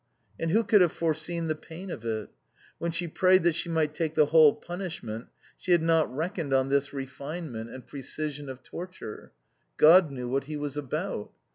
And who could have foreseen the pain of it? When she prayed that she might take the whole punishment, she had not reckoned on this refinement and precision of torture. God knew what he was about.